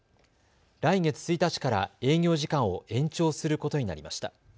来月１日から営業時間を延長することになりました。